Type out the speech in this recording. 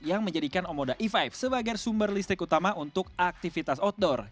yang menjadikan omoda e lima sebagai sumber listrik utama untuk aktivitas outdoor